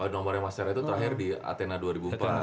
nomornya mas tera itu terakhir di atenean dua ribu empat